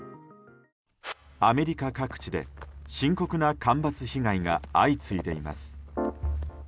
アメリカ各地で深刻な干ばつ被害が相次いでいます。